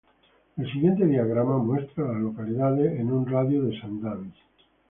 El siguiente diagrama muestra a las localidades en un radio de de Sundance.